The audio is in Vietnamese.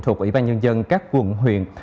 thuộc ủy ban nhân dân các quận huyện